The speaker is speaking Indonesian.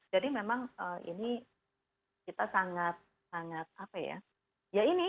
jadi memang ini kita sangat sangat apa ya